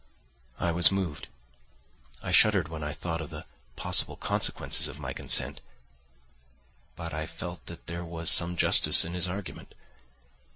I was moved. I shuddered when I thought of the possible consequences of my consent, but I felt that there was some justice in his argument.